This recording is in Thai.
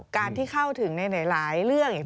การที่เข้าถึงในหลายเรื่อง